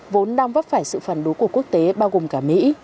vốn đang vấp phải sự phản đối của quốc tế bao gồm cả mỹ